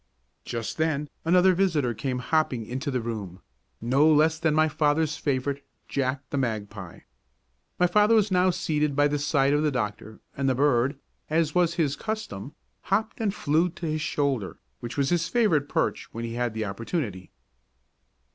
Just then, another visitor came hopping into the room no less than my father's favorite, Jack, the magpie. My father was now seated by the side of the doctor, and the bird, as was his custom, hopped and flew to his shoulder, which was his favorite perch when he had the opportunity.